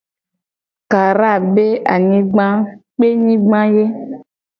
Kara be anyigba a kpenyigba ye.